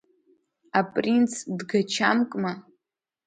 Апринц дгачамкма?